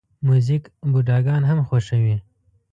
موزیک بوډاګان هم خوښوي.